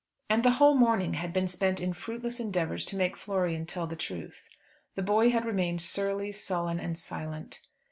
And the whole morning had been spent in fruitless endeavours to make Florian tell the truth. The boy had remained surly, sullen, and silent.